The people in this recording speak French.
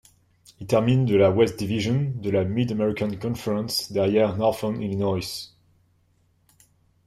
Ils terminent de la West Division de la Mid-American Conference derrière Northern Illinois.